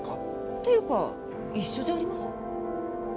っていうか一緒じゃありません？